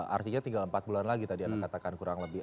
artinya tinggal empat bulan lagi tadi anda katakan kurang lebih